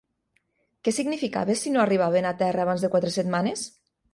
Què significava si no arribaven a terra abans de quatre setmanes?